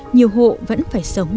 nhiều hộ vẫn phải sống